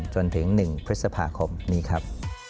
จนถึง๑พฤษภาคมนี้ครับ